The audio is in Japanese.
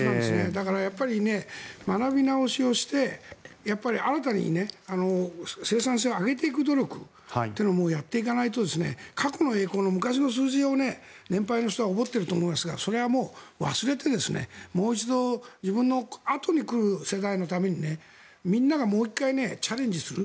だから、学び直しをして新たに生産性を上げていく努力というのをやっていかないと過去の栄光、昔の数字を年配の人はおごっていると思いますがそれは忘れてもう一度自分のあとに来る世代のためにみんながもう１回チャレンジする。